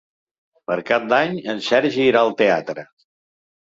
Per Cap d'Any en Sergi irà al teatre.